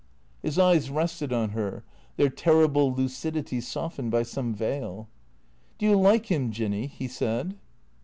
His eyes rested on her, their terrible lucidity softened by some veil. "Do you like him, Jinny?" he said.